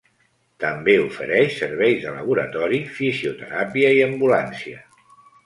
També ofereix serveis de laboratori, fisioteràpia i ambulància.